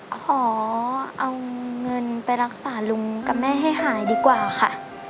ขอเอาเงินไปรักษาลุงกับแม่ให้หายดีกว่าค่ะ